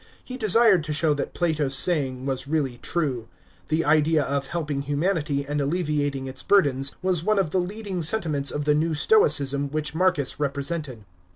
He desired to show that Plato's saying was really true. The idea of helping humanity and alleviating its burdens was one of the leading senti ments of the new Stoicism which Marcus represented.